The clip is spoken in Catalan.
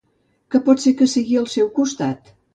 Què pot ser que sigui al seu costat?